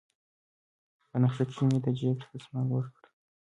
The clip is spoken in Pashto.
په نخښه كښې مې د جيب دسمال وركړ.